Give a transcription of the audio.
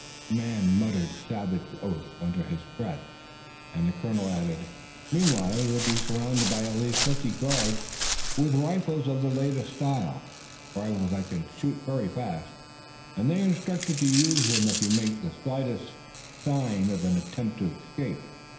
The man muttered savage oaths under his breath and the colonel added: "Meanwhile you'll be surrounded by at least fifty guards with rifles of the latest style, rifles that they can shoot very fast, and they are instructed to use them if you make the slightest sign of an attempt to escape.